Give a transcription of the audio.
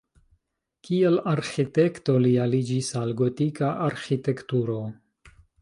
Kiel arĥitekto li aliĝis al gotika arĥitekturo.